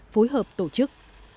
phối hợp tổ chức